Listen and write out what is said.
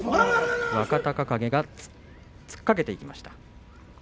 若隆景が突っかけていきました。